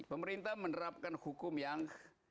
pemerintah menerapkan hukum yang